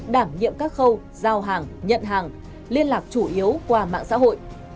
đảm nhiệm các khâu giao hàng nhận hàng liên lạc chủ yếu qua mạng xã hội